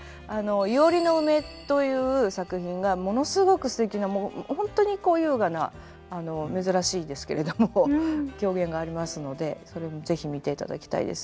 「庵の梅」という作品がものすごくすてきなもうホントにこう優雅な珍しいですけれども狂言がありますのでそれも是非見ていただきたいです。